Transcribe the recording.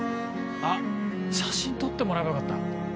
あっ写真撮ってもらえばよかった。